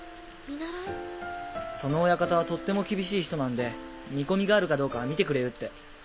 その親方はとっても厳しい人なんで見込みがあるかどうか見てくれるって。